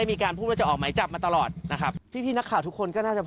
ตีเหอยุณีบ้านรุง